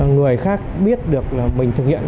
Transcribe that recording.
người khác biết được là mình thực hiện